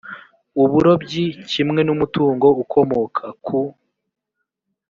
uburobyi kimwe n umutungo ukomoka ku